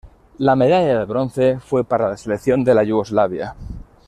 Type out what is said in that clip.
La medalla de bronce fue para la selección de la Yugoslavia.